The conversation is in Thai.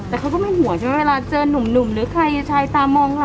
แต่เขาก็ไม่ห่วงใช่ไหมเวลาเจอนุ่มหรือใครชายตามองค่ะ